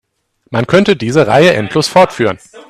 Man könnte diese Reihe endlos fortführen.